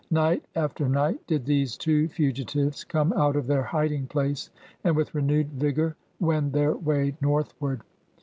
Night after night did these two fugitives come out of their hiding place, and with renewed vigor wend their way northward.